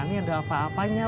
ini ada apa apanya